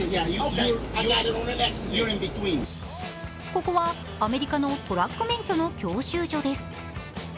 ここはアメリカのトラック免許の教習所です。